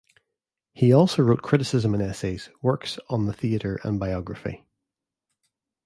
He also wrote criticism and essays, works on the theatre and biography.